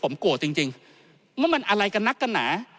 ผมโกรธจริงว่ามันอะไรกันนักกันหนา